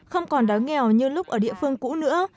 không còn đói nghèo như lúc ở địa phương cũ nữa